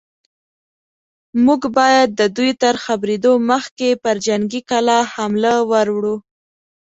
موږ بايد د دوی تر خبرېدو مخکې پر جنګي کلا حمله ور وړو.